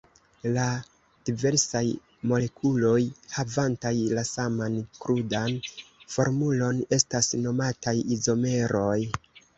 La diversaj molekuloj havantaj la saman krudan formulon estas nomataj izomeroj.